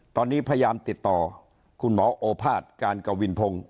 ตอนนี้พยายามติดต่อคุณหมอโอภาษย์การกวินพงศ์